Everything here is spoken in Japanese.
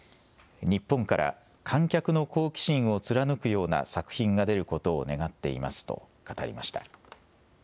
日本から観客の好奇心を貫くような作品が出ることを願っていますと語りました。